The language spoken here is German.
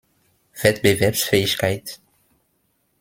Wettbewerbsfähigkeit?